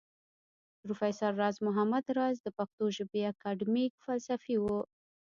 پروفېسر راز محمد راز د پښتو ژبى اکېډمک فلسفى و